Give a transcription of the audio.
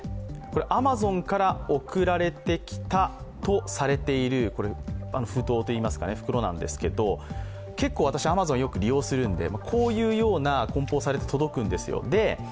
アマゾンから送られてきたとされている袋なんですけど結構私、アマゾンよく利用するのでこういうようなこん包されて届くんですよ。